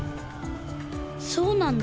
そうなんだ。